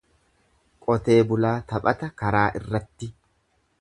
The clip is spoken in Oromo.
Qotee bulaa taphata karaa irratti.